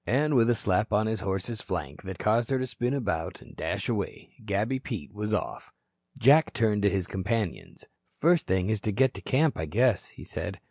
And with a slap on his horse's flank that caused her to spin about and dash away, Gabby Pete was off. Jack turned to his companions. "First thing is to get to camp, I guess," he said.